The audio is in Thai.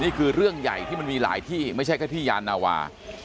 นี่คือเรื่องใหญ่ที่มันมีหลายที่ไม่ใช่แค่ที่ยานาวา